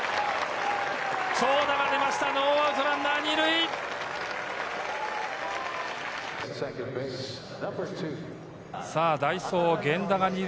長打が出ました、ノーアウトランナー２塁。